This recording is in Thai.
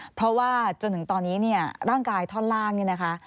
เพราะว่าจนถึงตอนนี้เนี่ยร่างกายท่อนล่างนี่นะคะ